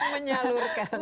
menyalurkan ini semua